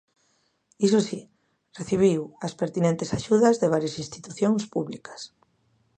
Iso si, recibiu as pertinentes axudas de varias institucións públicas.